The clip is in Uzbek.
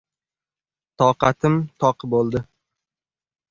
Toqatim toq bo‘ldi.